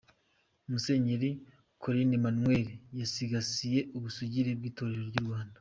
Musenyeri Kolini Emmanuel: Yasigasiye ubusugire bw’Itorero ry’u Rwanda.